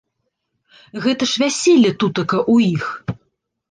Гэта ж вяселле тутака ў іх.